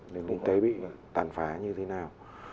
đến quốc tế bị tàn phá như thế nào